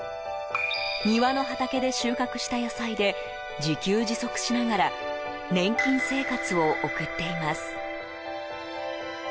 庭の畑で収穫した野菜で自給自足しながら年金生活を送っています。